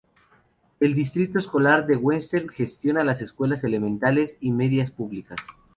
El Distrito Escolar de Westminster gestiona escuelas elementales y medias públicas.